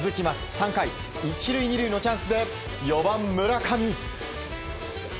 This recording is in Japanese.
３回１塁２塁のチャンスで４番、村上。